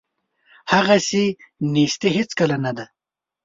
هغسې نیستي هیڅکله نه ده.